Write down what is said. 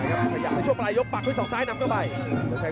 อยากให้ช่วงฝรายยกปากไว้สาวซ้ายนำเข้าไป